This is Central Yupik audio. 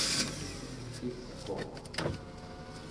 isquq